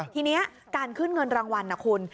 ทีนี้การขึ้นเงินรางวัลนะคุณ